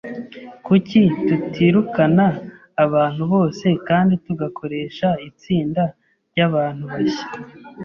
Kuki tutirukana abantu bose kandi tugakoresha itsinda ryabantu bashya?